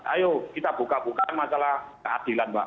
ayo kita buka bukaan masalah keadilan mbak